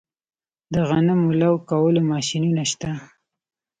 د غنمو لو کولو ماشینونه شته